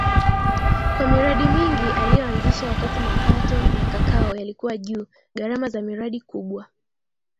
kwa miradi mingi aliyoanzisha wakati mapato ya kakao yalikuwa juuGharama za miradi kubwa